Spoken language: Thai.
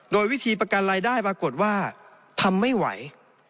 โดยวิธีประกันรายได้ปรากฏว่าทำไม่ไหว